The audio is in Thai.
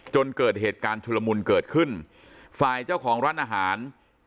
จนเกิดเหตุการณ์ชุลมุนเกิดขึ้นฝ่ายเจ้าของร้านอาหาร